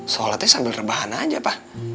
sholatnya sambil rebahan aja pak